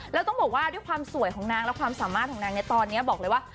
แล้วต้องบอกว่าด้วยความสวยของนางและความสามารถของนางในตอนนี้บอกเลยว่า